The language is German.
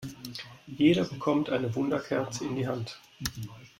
Jeder bekommt eine Wunderkerze in die Hand.